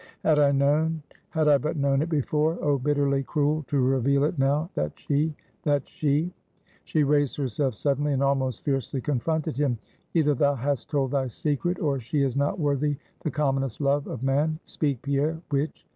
"Had I known had I but known it before! Oh bitterly cruel to reveal it now. That she! That she!" She raised herself suddenly, and almost fiercely confronted him. "Either thou hast told thy secret, or she is not worthy the commonest love of man! Speak Pierre, which?"